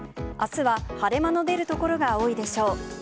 あすは晴れ間の出る所が多いでしょう。